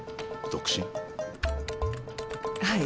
はい。